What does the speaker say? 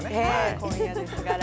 今夜ですからね。